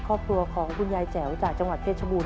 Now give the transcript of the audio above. ครอบครัวของคุณยายแจ๋วจากจังหวัดเพชรบูร